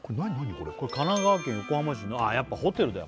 これこれ神奈川県横浜市のあやっぱホテルだよ